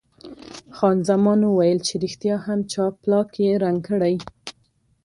خان زمان ویل چې ریښتیا هم جاپلاک یې رنګ کړی.